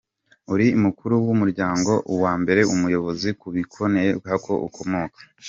Uri umukuru w’umuryango, uwa mbere, umuyobozi, ku bikomeye ni ho ukomoka, .